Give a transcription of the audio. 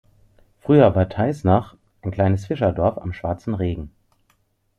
Früher war Teisnach ein kleines Fischerdorf am Schwarzen Regen.